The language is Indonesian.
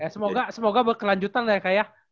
semoga berkelanjutan ya kayak